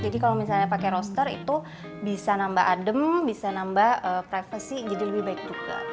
jadi kalau misalnya pakai roster itu bisa nambah adem bisa nambah privacy jadi lebih baik juga